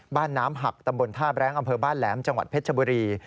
บ้านน้ำหักตำบลท่าแร้งอำเภอบ้านแหลมจังหวัดเพชรบุรี